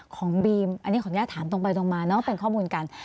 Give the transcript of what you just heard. ของบีมอันนี้ขออนุญาตถามตรงไปตรงมาเนอะเป็นข้อมูลกัน